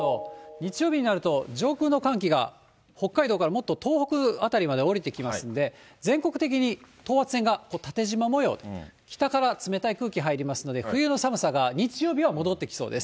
日曜日になると、上空の寒気が北海道からもっと東北辺りまで下りてきますんで、全国的に等圧線が縦じま模様、北から冷たい空気入りますので、冬の寒さが日曜日は戻ってきそうです。